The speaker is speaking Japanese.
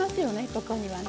ここにはね。